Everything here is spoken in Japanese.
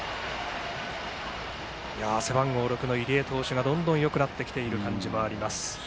背番号６の入江投手がどんどんよくなってきている感じがあります。